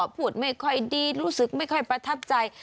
พูดไม่ค่อยดีรู้สึกไม่ค่อยประทับใจ